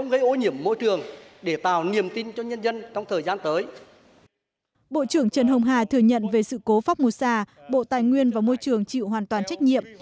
bộ trưởng trần hồng hà thừa nhận về sự cố phong mô sa bộ tài nguyên và môi trường chịu hoàn toàn trách nhiệm